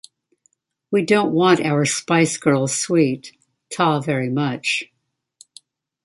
We don't want our Spice Girls sweet, ta very much.